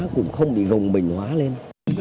cũng không bị gồng bình hóa lên